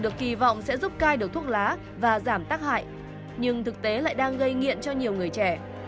được kỳ vọng sẽ giúp cai được thuốc lá và giảm tác hại nhưng thực tế lại đang gây nghiện cho nhiều người trẻ